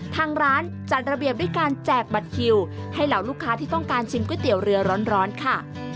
ทางร้านจัดระเบียบด้วยการแจกบัตรคิวให้เหล่าลูกค้าที่ต้องการชิมก๋วยเตี๋ยวเรือร้อนค่ะ